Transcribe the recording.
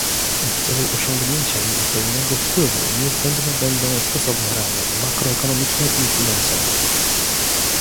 W celu osiągnięcia jej pełnego wpływu niezbędne będą stosowne ramy makroekonomiczne i finansowe